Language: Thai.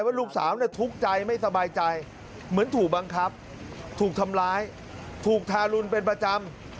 ว่าลูกสาวทุกข์ใจไม่สบายใจเหมือนถูกบังคับถูกทำร้ายถูกทารุณเป็นประจำ